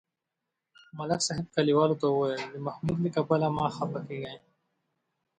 ملک صاحب کلیوالو ته ویل: د محمود له کبله مه خپه کېږئ.